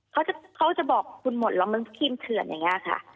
เขาจะบอกคุณหมดหรอกมันทีมเถื่อนอย่างนี้ค่ะ